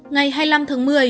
ngày hai mươi năm tháng một mươi